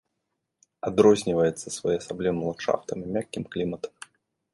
Адрозніваецца своеасаблівым ландшафтам і мяккім кліматам.